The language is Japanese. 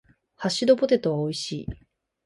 ハッシュドポテトは美味しい。